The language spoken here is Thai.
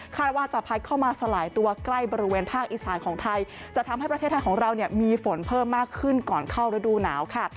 ว่าจะพัดเข้ามาสลายตัวใกล้บริเวณภาคอีสานของไทยจะทำให้ประเทศไทยของเราเนี่ยมีฝนเพิ่มมากขึ้นก่อนเข้าฤดูหนาวค่ะ